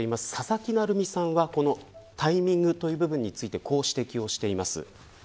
佐々木成三さんはこのタイミングという部分について、こう指摘をしています。